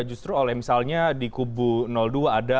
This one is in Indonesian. justru oleh misalnya di kubu dua ada